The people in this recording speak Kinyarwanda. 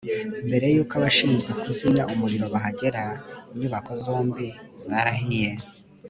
mbere yuko abashinzwe kuzimya umuriro bahagera, inyubako zombi zarahiye